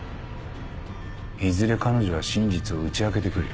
いずれ彼女は真実を打ち明けてくる。